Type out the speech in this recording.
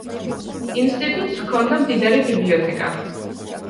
ინსტიტუტს ჰქონდა მდიდარი ბიბლიოთეკა.